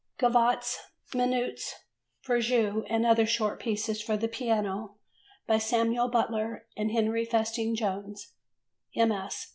Gavottes, Minuets, Fugues and other short pieces for the piano by Samuel Butler and Henry Festing Jones: MS.